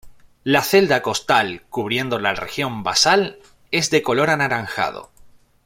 La celda costal cubriendo la región basal es de color anaranjado.